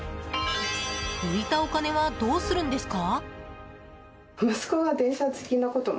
浮いたお金はどうするんですか？